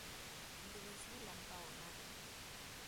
Luismi lampawan arun.